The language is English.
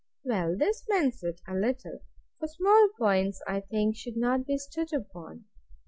Well, this mends it a little. For small points, I think, should not be stood upon.